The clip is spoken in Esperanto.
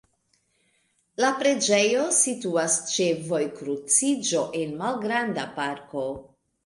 La preĝejo situas ĉe vojkruciĝo en malgranda parko.